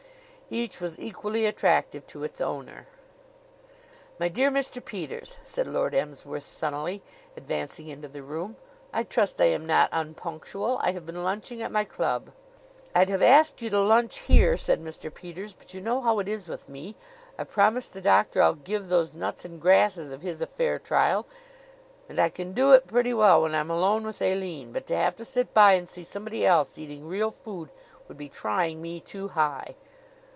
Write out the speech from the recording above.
Each was equally attractive to its owner. "My dear Mr. Peters," said Lord Emsworth sunnily, advancing into the room, "I trust I am not unpunctual. I have been lunching at my club." "I'd have asked you to lunch here," said Mr. Peters, "but you know how it is with me ... I've promised the doctor I'll give those nuts and grasses of his a fair trial, and I can do it pretty well when I'm alone with Aline; but to have to sit by and see somebody else eating real food would be trying me too high."